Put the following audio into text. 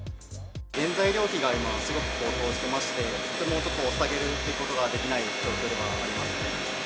原材料費が今、すごく高騰してまして、とてもちょっと下げることができない状況